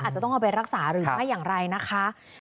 อาจจะต้องเอาไปรักษาหรือไม่อย่างไรนะคะ